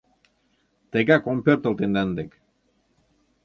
Тегак ом пӧртыл тендан дек.